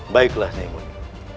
baiklah nyai muni